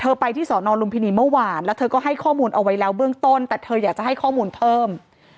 ไปที่สอนอลุมพินีเมื่อวานแล้วเธอก็ให้ข้อมูลเอาไว้แล้วเบื้องต้นแต่เธออยากจะให้ข้อมูลเพิ่ม